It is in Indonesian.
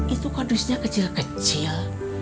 itu kok dusnya kecil kecil